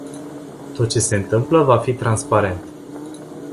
Tot ce se întâmplă va fi transparent.